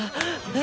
え？